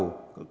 cán bộ công sở